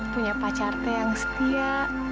punya pacar teh yang setia